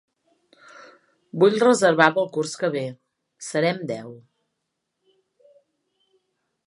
Vull reservar pel curs que ve. Serem deu.